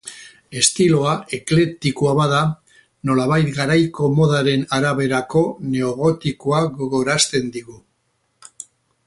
Estiloa, eklektikoa bada, nolabait garaiko modaren araberako neogotikoa gogorazten digu.